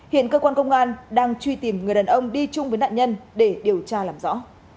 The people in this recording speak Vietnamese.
hiện cơ quan công an đang truy tìm người đàn ông đi chung với nạn nhân để điều tra làm rõ